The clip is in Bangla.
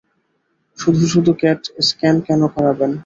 শুধু-শুধু ক্যাট স্কেন কেন করাবেন?